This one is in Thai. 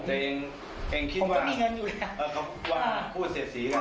แต่เองคิดว่าผมก็มีเงินอยู่แล้วพูดเศรษฐีก่อน